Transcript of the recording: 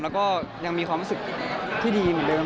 แล้วก็ยังมีความรู้สึกที่ดีเหมือนเดิม